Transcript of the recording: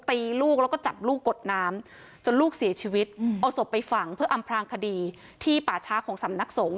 ตีลูกแล้วก็จับลูกกดน้ำจนลูกเสียชีวิตเอาศพไปฝังเพื่ออำพลางคดีที่ป่าช้าของสำนักสงฆ